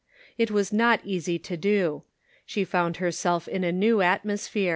It was not easy to do ; she found herself in a new atmosphere.